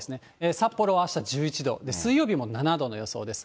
札幌はあした１１度、水曜日も７度の予想です。